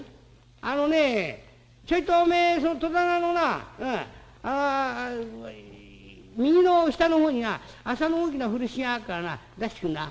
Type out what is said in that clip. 「あのねちょいとおめえその戸棚のな右の下のほうにな麻の大きな風呂敷があっからな出してくんな。